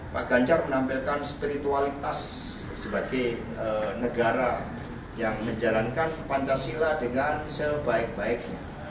pak ganjar menampilkan spiritualitas sebagai negara yang menjalankan pancasila dengan sebaik baiknya